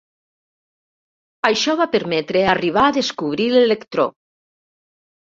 Això va permetre arribar a descobrir l'electró.